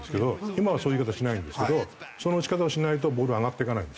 今はそういう言い方しないんですけどその打ち方をしないとボールは上がっていかないんですよ。